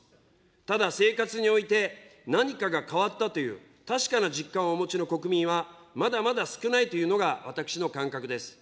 ただ生活において、何かが変わったという、確かな実感をお持ちの国民は、まだまだ少ないというのが私の感覚です。